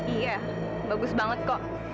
iya bagus banget kok